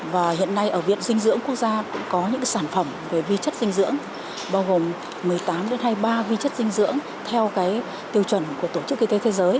và hiện nay ở viện dinh dưỡng quốc gia cũng có những sản phẩm về vi chất dinh dưỡng bao gồm một mươi tám hai mươi ba vi chất dinh dưỡng theo cái tiêu chuẩn của tổ chức y tế thế giới